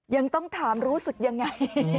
ยังต้องถามรู้สึกยังไง